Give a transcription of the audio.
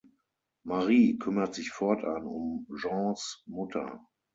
Marie kümmert sich fortan um Jeans Mutter.